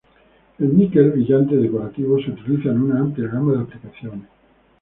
El níquel brillante decorativo se utiliza en una amplia gama de aplicaciones.